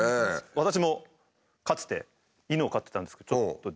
私もかつて犬を飼ってたんですけどちょっと。